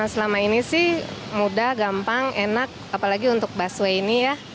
selama ini sih mudah gampang enak apalagi untuk busway ini ya